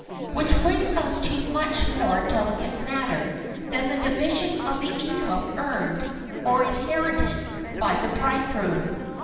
Which brings us to a much more delicate matter than the division of the income earned, or inherited, by the bridegroom.